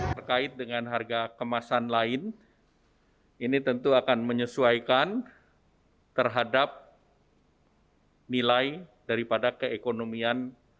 terkait dengan harga kemasan lain ini tentu akan menyesuaikan terhadap nilai daripada keekonomian